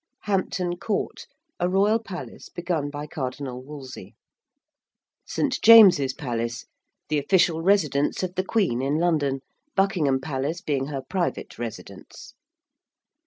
~Hampton Court~: a Royal palace begun by Cardinal Wolsey. ~St. James's Palace~: the official residence of the Queen in London, Buckingham Palace being her private residence.